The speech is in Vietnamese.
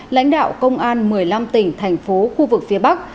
lãnh đạo công an một mươi năm tỉnh thành phố khu vực phía bắc